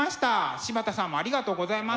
柴田さんもありがとうございます。